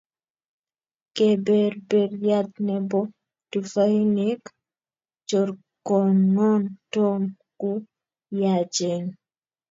kebeberyat nebo tufainik chrkokonon Tom ku koyachen